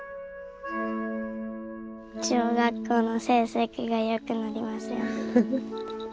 小学校の成績が良くなりますように。